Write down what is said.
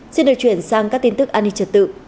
xin được chuyển sang các tin tức an ninh trật tự